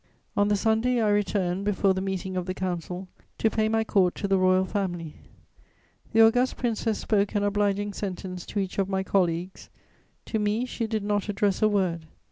On the Sunday, I returned, before the meeting of the council, to pay my court to the Royal Family; the august Princess spoke an obliging sentence to each of my colleagues: to me she did not address a word.